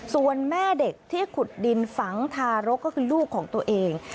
ส่วนแม่เด็กที่ขุดดินฝังทารกก็คือลูกของตัวเอง